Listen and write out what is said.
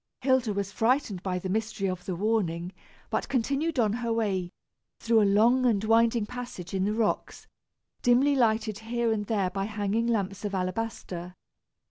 Hilda was frightened by the mystery of the warning, but continued on her way, through a long and winding passage in the rocks, dimly lighted here and there by hanging lamps of alabaster.